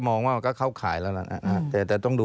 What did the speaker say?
มองว่ามันก็เข้าข่ายแล้วนะแต่ต้องดู